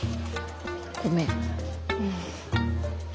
ごめん。